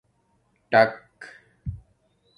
ٹَݣ